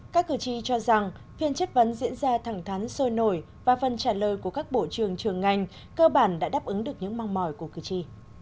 các cử tri cho rằng phiên chất vấn diễn ra thẳng thắn sôi nổi và phần trả lời của các bộ trưởng trường ngành cơ bản đã đáp ứng được những mong mỏi của cử tri